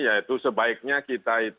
yaitu sebaiknya kita